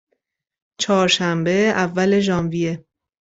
چهارشنبه، اول ژانویه